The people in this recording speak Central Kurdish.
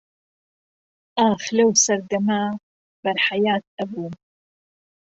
ئاخ لەو سەردەما بەر حەیات ئەبووم